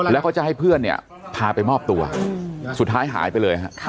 แล้วก็จะให้เพื่อนเนี่ยพาไปมอบตัวสุดท้ายหายไปเลยฮะ